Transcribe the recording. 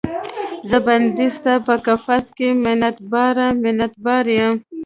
زه بندۍ ستا په قفس کې، منت باره، منت بار یم